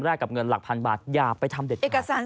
แลกกับเงินหลักพันบาทอยากไปทำเด็ดขาด